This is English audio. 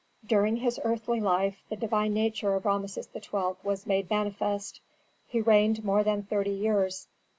"During his earthly life the divine nature of Rameses XII. was made manifest. He reigned more than thirty years.